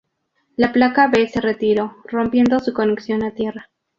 La placa B se retiró, rompiendo su conexión a tierra.